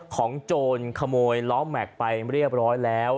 ของโจรขโมยล้อมแมคไปเรียบร้อยแล้ว